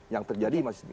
yang terjadi masih sedikit